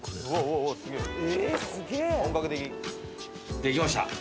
できました。